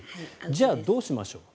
じゃあ、どうしましょう。